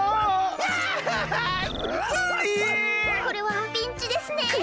これはピンチですね。